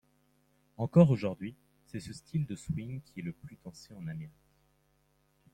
Encore aujourd’hui, c'est ce style de swing qui est le plus dansé en Amérique.